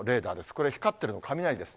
これ光ってるの、雷です。